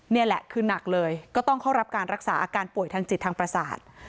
นี่แหละคือหนักเลยก็ต้องเข้ารับการรักษาอาการป่วยทางจิตทางประสาท